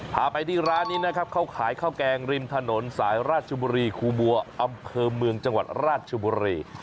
พาไปที่ร้านนี้นะครับเขาขายข้าวแกงริมถนนสายราชบุรีครูบัวอำเภอเมืองจังหวัดราชบุรี